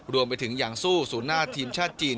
รวมไปถึงอย่างสู้ศูนย์หน้าทีมชาติจีน